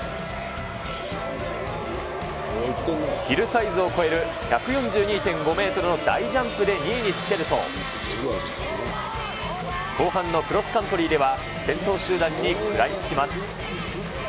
ヒルサイズを超える１４２．５メートルの大ジャンプで２位につけると、後半のクロスカントリーでは先頭集団に食らいつきます。